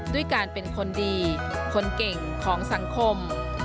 ด้วยการเป็นคนดีคนเก่งของสังคม